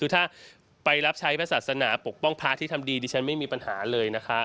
ถ้าไปรับใช้พระศาสนาปกป้องพระที่ทำดีดิฉันไม่มีปัญหาเลยนะคะ